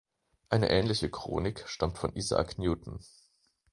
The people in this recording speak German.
Eine ähnliche Chronik stammt von Isaac Newton.